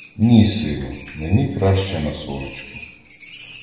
Ні, сину: мені краще на сонечку.